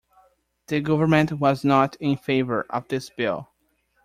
The government was not in favor of this bill.